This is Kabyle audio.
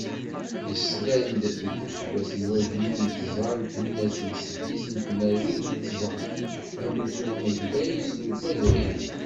Yeslal-d, deg useggas n wagim d tẓa twinas d seddis tmerwin d ṣa, Amussu amagday i usnulfu azzayri.